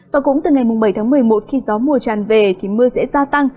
và cũng từ ngày bảy tháng một mươi một khi gió mùa tràn về thì mưa sẽ gia tăng